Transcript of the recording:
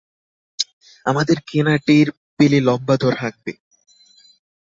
আমাদের কেনা টের পেলে লম্বা দর হাঁকবে।